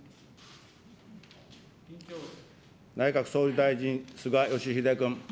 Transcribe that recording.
内閣総理大臣、菅義偉君。